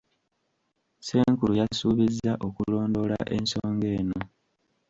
Ssenkulu yasuubizza okulondoola ensonga eno.